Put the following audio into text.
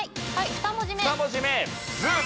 ２文字目「ず」。